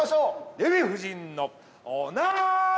◆デヴィ夫人のおなり。